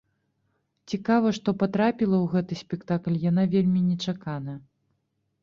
Цікава, што патрапіла ў гэты спектакль яна вельмі нечакана.